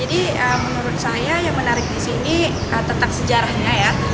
jadi menurut saya yang menarik di sini tentang sejarahnya ya